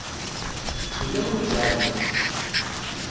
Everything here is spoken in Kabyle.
Yella win i iɛelmen.